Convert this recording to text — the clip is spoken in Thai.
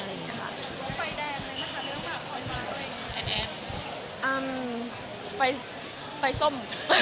เออฟัยส้ม